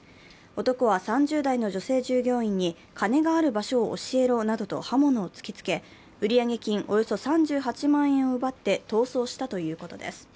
男は３０代の女性従業員に金がある場所を教えろなどと刃物を突きつけ、売上金およそ３８万円を奪って逃走したということです。